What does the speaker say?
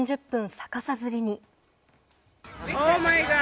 逆さ吊りに。